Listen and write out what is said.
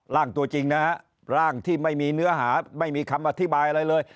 ร่างตัวจริงนะฮะร่างที่ไม่มีเนื้อหาไม่มีคำอธิบายอะไรเลย